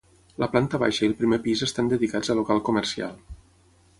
La planta baixa i el primer pis estan dedicats a local comercial.